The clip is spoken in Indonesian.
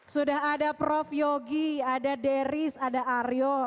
sudah ada prof yogi ada deris ada aryo